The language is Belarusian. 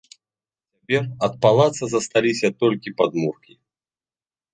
Цяпер ад палаца засталіся толькі падмуркі.